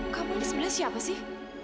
kamu ada sebelah siapa sih